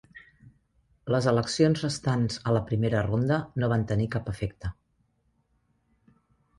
Les eleccions restants a la primera ronda no van tenir cap efecte.